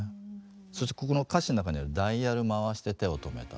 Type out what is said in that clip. そしてここの歌詞の中にある「ダイヤル回して手を止めた」。